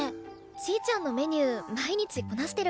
ちぃちゃんのメニュー毎日こなしてるから。